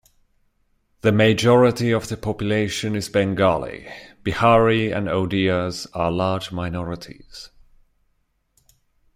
The majority of the population is Bengali; Bihari and Odias are large minorities.